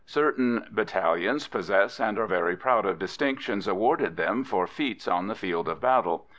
Certain battalions possess and are very proud of distinctions awarded them for feats on the field of battle.